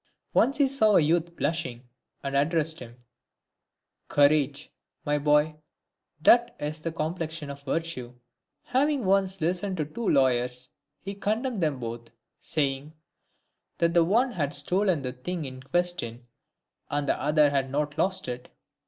Once he saw a youth blushing, and addressed him, " Courage, my boy, that is the complexion of virtue." Having once listened to two lawyers, he condemned them both ; saying ," That the one had stolen the thing in question, and that the other had not lost it."